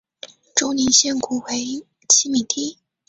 周宁县古为七闽地。